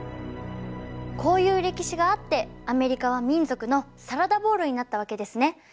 こういう歴史があってアメリカは民族のサラダボウルになったわけですね。